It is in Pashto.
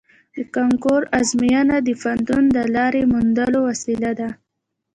د کانکور ازموینه د پوهنتون د لارې موندلو وسیله ده